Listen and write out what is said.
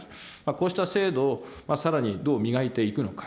こうした制度をさらにどう磨いていくのか。